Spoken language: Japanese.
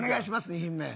２品目